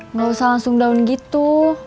nggak usah langsung down gitu